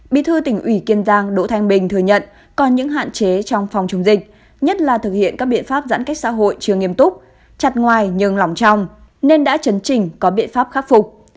bí thư tỉnh ủy kiên giang đỗ thanh bình thừa nhận còn những hạn chế trong phòng chống dịch nhất là thực hiện các biện pháp giãn cách xã hội chưa nghiêm túc chặt ngoài nhường trong nên đã chấn trình có biện pháp khắc phục